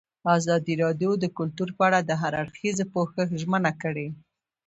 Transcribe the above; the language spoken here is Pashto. ازادي راډیو د کلتور په اړه د هر اړخیز پوښښ ژمنه کړې.